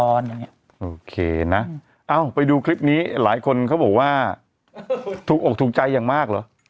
โอเคนะเอ้าไปดูคลิปนี้หลายคนเขาบอกว่าถูกอกถูกใจอย่างมากเหรอ